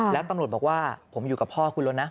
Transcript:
แล้วตำรวจบอกว่าผมอยู่กับพ่อคุณแล้วนะ